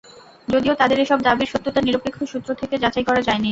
যদিও তাঁদের এসব দাবির সত্যতা নিরপেক্ষ সূত্র থেকে যাচাই করা যায়নি।